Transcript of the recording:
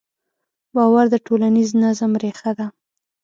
باور د ټولنیز نظم ریښه ده.